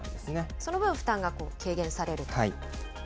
その分、負担が軽減されるということ。